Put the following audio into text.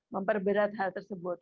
memperberat hal tersebut